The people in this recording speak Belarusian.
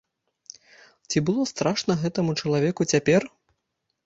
Ці было страшна гэтаму чалавеку цяпер?